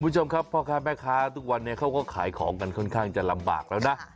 คุณผู้ชมครับพ่อค้าแม่ค้าทุกวันนี้เขาก็ขายของกันค่อนข้างจะลำบากแล้วนะ